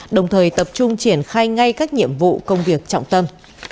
đồng thời tập trung triển khai ngay các nhiệm vụ công việc trọng tâm